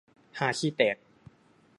ฮาขี้แตก